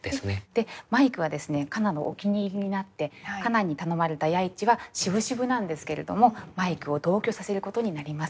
でマイクはですね夏菜のお気に入りになって夏菜に頼まれた弥一はしぶしぶなんですけれどもマイクを同居させることになります。